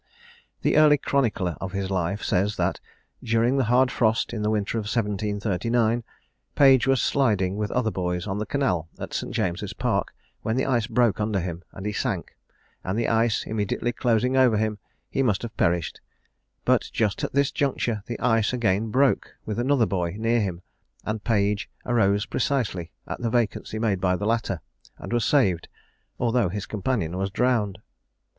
The early chronicler of his life says, that, during the hard frost in the winter of 1739, Page was sliding with other boys on the canal in St. James's Park, when the ice broke under him, and he sank; and the ice immediately closing over him, he must have perished; but just at this juncture the ice again broke with another boy near him, and Page arose precisely at the vacancy made by the latter, and was saved, although his companion was drowned.